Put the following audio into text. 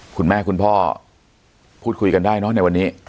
คุณพ่อพูดคุยกันได้เนอะในวันนี้